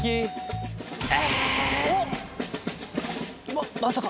ままさか。